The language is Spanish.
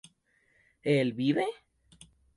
¿él vive?